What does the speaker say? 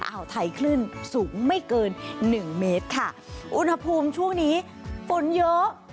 อ่าวไทยคลื่นสูงไม่เกินหนึ่งเมตรค่ะอุณหภูมิช่วงนี้ฝนเยอะ